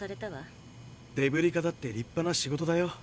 デブリ課だって立派な仕事だよ。